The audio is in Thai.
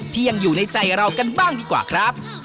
ที่ยังอยู่ในใจเรากันบ้างดีกว่าครับ